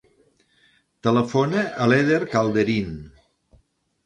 Telefona a l'Eder Calderin.